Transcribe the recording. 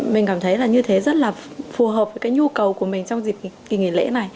mình cảm thấy như thế rất là phù hợp với nhu cầu của mình trong dịp nghỉ lễ này